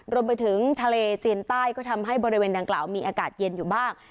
รวมไปถึงทะเลจีนใต้ก็ทำให้บริเวณดังกล่าวมีอากาศเย็นอยู่บ้าง